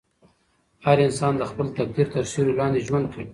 هر انسان د خپل تقدیر تر سیوري لاندې ژوند کوي.